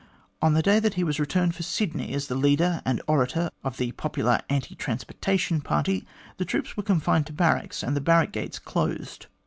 On the day that he was returned for Sydney as the leader and orator of the popular anti transportation party, the troops were confined to barracks and the barrack gates closed.